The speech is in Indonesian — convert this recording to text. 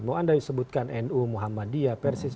mau anda sebutkan nu muhammadiyah persis